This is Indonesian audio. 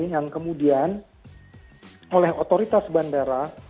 yang kemudian oleh otoritas bandara